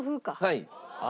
はい。